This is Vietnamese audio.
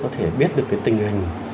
có thể biết được cái tình hình